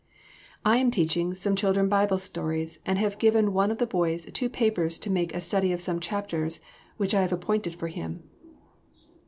"I am teaching some children Bible stories and have given one of the boys two papers to make a study of some chapters which I have appointed for him."